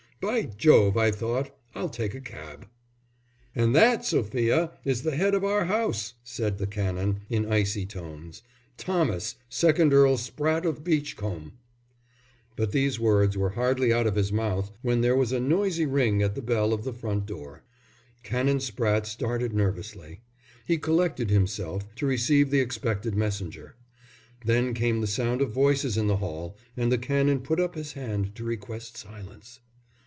'By Jove,' I thought, 'I'll take a cab.'" "And that, Sophia, is the head of our house!" said the Canon, in icy tones. "Thomas, second Earl Spratte of Beachcombe." But these words were hardly out of his mouth, when there was a noisy ring at the bell of the front door. Canon Spratte started nervously. He collected himself to receive the expected messenger. Then came the sound of voices in the hall, and the Canon put up his hand to request silence.